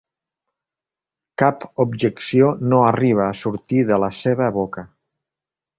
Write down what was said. Cap objecció no arriba a sortir de la seva boca.